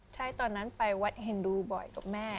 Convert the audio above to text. ใช่ตอนนั้นไปวัดสุฤทธิ์หญิงบ่อย